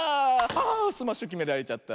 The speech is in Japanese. あスマッシュきめられちゃった。